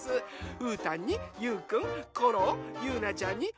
うーたんにゆうくんコロゆうなちゃんにワンワン。